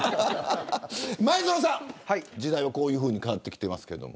前園さん、時代はこういうふうに変わってきていますけれど。